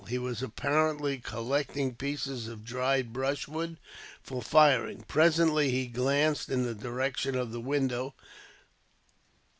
He was apparently collecting pieces of dried brushwood, for firing. Presently, he glanced in the direction of the window.